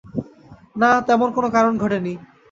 না, তেমন কোনো কারণ ঘটে নি।